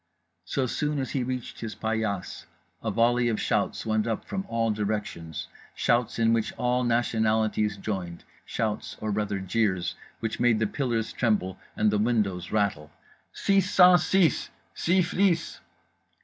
So soon as he reached his paillasse a volley of shouts went up from all directions, shouts in which all nationalities joined, shouts or rather jeers which made the pillars tremble and the windows rattle— "_SIX CENT SIX! SYPH'LIS!